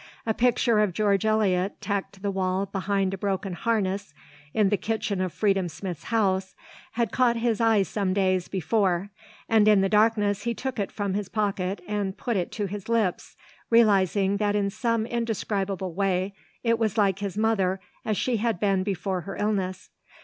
A picture of George Eliot, tacked to the wall behind a broken harness in the kitchen of Freedom Smith's house, had caught his eye some days before, and in the darkness he took it from his pocket and put it to his lips, realising that in some indescribable way it was like his mother as she had been before her illness.